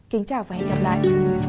kính chào và hẹn gặp lại